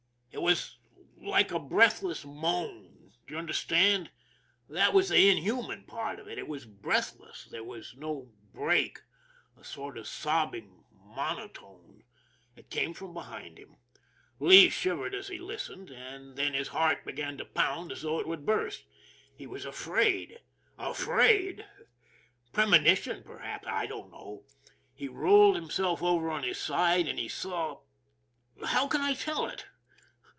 It was like a breathless moan, do you understand? That was the inhuman part of it; it was breathless there was no break a sort of sobbing monotone. It came from behind him. Lee shivered as he listened, and then his heart began to pound as though it would burst. He was afraid afraid. Premonition, perhaps ; I don't know. He rolled himself over on his side, and he saw How can I tell it!